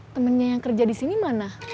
temennya yang kerja di sini mana